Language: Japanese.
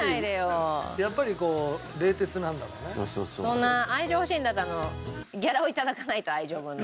そんな愛情欲しいんだったらギャラを頂かないと愛情分の。